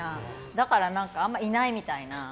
だからあんまりいないみたいな。